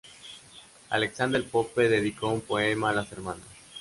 Alexander Pope dedicó un poema a las hermanas.